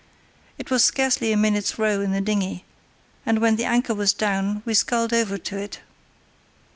It was scarcely a minute's row in the dinghy, and when the anchor was down we sculled over to it.